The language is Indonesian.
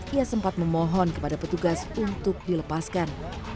ia sempat memohon kepada petugas untuk dilepaskan